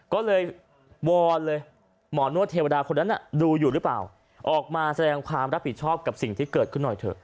ก็เลยวอนเลยหมอนวดเทวดาคนนั้นดูอยู่หรือเปล่าออกมาแสดงความรับผิดชอบกับสิ่งที่เกิดขึ้นหน่อยเถอะ